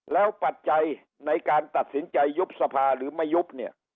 แล้วปัจจัยในการตัดสินใจยุบสภาหรือไม่ยุบเนี่ย